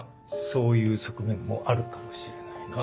そういう側面もあるかもしれないな。